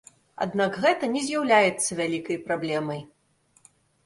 Аднак гэта не з'яўляецца вялікай праблемай.